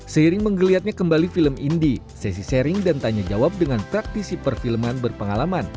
seiring menggeliatnya kembali film indi sesi sharing dan tanya jawab dengan praktisi perfilman berpengalaman